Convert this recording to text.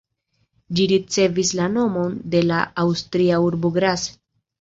Ĝi ricevis la nomon de la aŭstria urbo Graz.